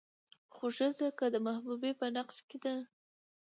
خو ښځه که د محبوبې په نقش کې ده